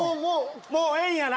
もうええんやな？